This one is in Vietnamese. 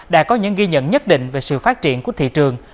đã có những ghi nhận nhất định về sự phát triển của thị trường